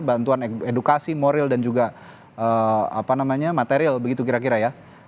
bantuan edukasi moral dan juga material begitu kira kira ya